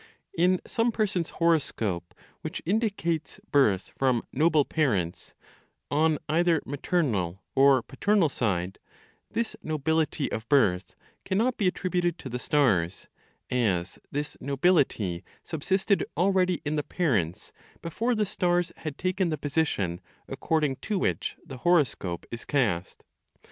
In some person's horoscope which indicates birth from noble parents, on either maternal or paternal side, this nobility of birth cannot be attributed to the stars, as this nobility subsisted already in the parents before the stars had taken the position according to which the horoscope is cast.